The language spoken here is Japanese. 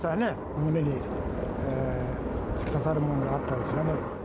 胸に突き刺さるものがあったですね。